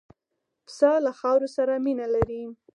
پسه له خاورو سره مینه لري.